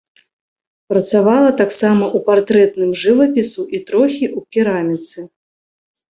Працавала таксама ў партрэтным жывапісу і трохі ў кераміцы.